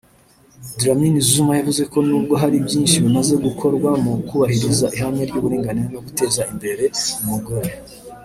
Dlamini-Zuma yavuze ko nubwo hari byinshi bimaze gukorwa mu kubahiriza ihame ry’uburinganire no guteza imbere umugore